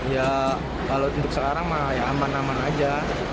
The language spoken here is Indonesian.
ya kalau untuk sekarang mah ya aman aman aja